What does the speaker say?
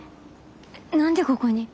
えっ何でここに？